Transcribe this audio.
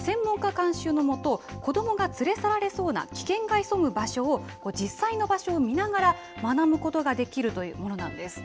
監修の下子どもが連れ去られそうな危険が潜む場所を実際の場所を見ながら学ぶことができるというものなんです。